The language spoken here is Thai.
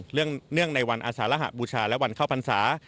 เรื่องโรงเรื่องในวันอาสาหร่ะบูชาและวันเข้าพรรษา